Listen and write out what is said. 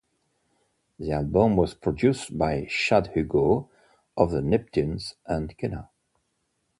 The album was produced by Chad Hugo of The Neptunes and Kenna.